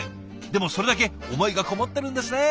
でもそれだけ思いがこもってるんですね。